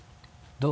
どう？